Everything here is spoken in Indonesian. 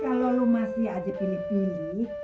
kalau lu masih aja pilih pilih